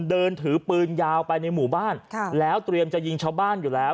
เดินถือปืนยาวไปในหมู่บ้านแล้วเตรียมจะยิงชาวบ้านอยู่แล้ว